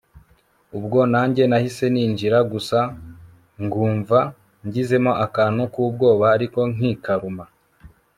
ubwo nanjye nahise ninjira gusa ngumva ngizemo akantu kubwoba ariko nkikaruma